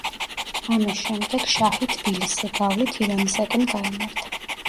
ამის შემდეგ შაჰი თბილისზე გავლით ირანისაკენ გაემართა.